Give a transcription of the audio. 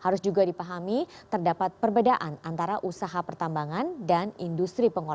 harus juga dipahami terdapat perbedaan antara usaha pertambangan dan industri